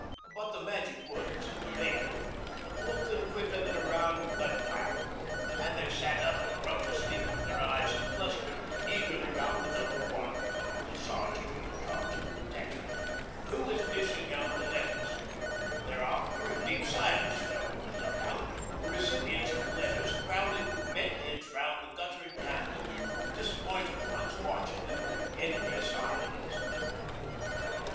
But the magic words 'The mail' woke them quicker than a round of gun fire, and they sat up and rubbed the sleep from their eyes and clustered eagerly round the Number One (sergeant in charge of the detachment) who was 'dishing out' the letters. Thereafter a deep silence fell on the dug out, the recipients of letters crowding with bent heads round the guttering candle, the disappointed ones watching them with envious eyes.